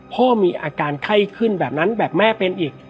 พ่อมีอาการไข้ขึ้นแบบนั้นแบบแม่เป็นอีก